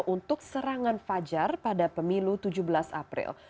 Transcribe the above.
untuk serangan fajar pada pemilu tujuh belas april